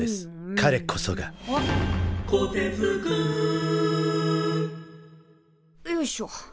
かれこそがよいしょ。